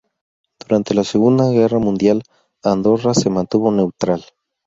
Durante la Segunda Guerra Mundial, Andorra se mantuvo neutral.